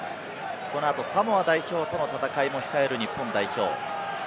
この後、サモア代表との戦いも控える日本代表。